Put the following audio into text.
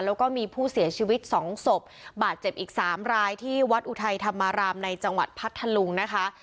แล้วก็มีผู้เสียชีวิตสองศพบาดเจ็บอีก๓รายที่วัดอุทัยธรรมารามในจังหวัดพัทธลุงนะคะ